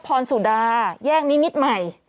พอนสุดาแยกมิ้นมิดใหม่